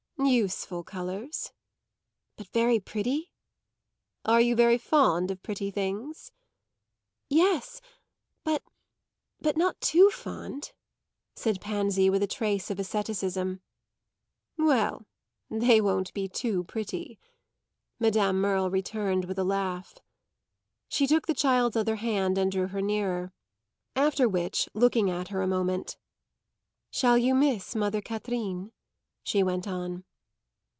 "Useful colours." "But very pretty?" "Are you very fond of pretty things?" "Yes; but but not too fond," said Pansy with a trace of asceticism. "Well, they won't be too pretty," Madame Merle returned with a laugh. She took the child's other hand and drew her nearer; after which, looking at her a moment, "Shall you miss mother Catherine?" she went on.